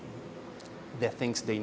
hal hal yang mereka butuhkan